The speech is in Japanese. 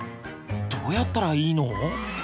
どうやったらいいの？